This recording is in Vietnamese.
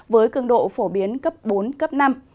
với cường độ phổ biến cấp bốn cấp năm